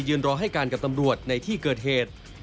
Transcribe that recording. รอให้การกับตำรวจในที่เกิดเหตุ